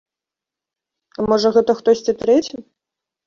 А, можа, гэта хтосьці трэці?